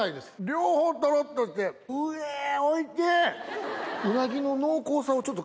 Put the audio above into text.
両方トロっとしてうえおいしい！